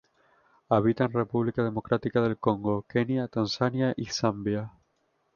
Habita en República Democrática del Congo, Kenia, Tanzania y Zambia.